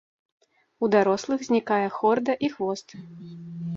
У дарослых знікае хорда і хвост.